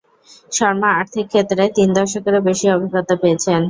শর্মা আর্থিক ক্ষেত্রে তিন দশকেরও বেশি অভিজ্ঞতা পেয়েছেন।